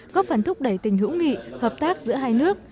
góp phần thúc đẩy tình hữu nghị hợp tác giữa hai nước